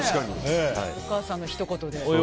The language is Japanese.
お母さんのひと言で。